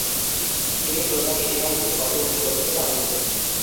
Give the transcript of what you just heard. তিনি প্রধান ইতিহাসবিদ পদে উন্নীত হতে পারেননি।